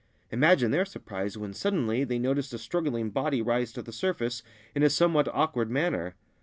Imagine their surprise when suddenly they noticed a struggling body rise to the surface in a somewhat awkward manner